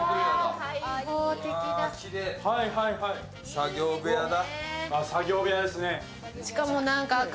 作業部屋だ。